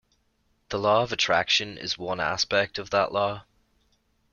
The Law of Attraction is one aspect of that Law.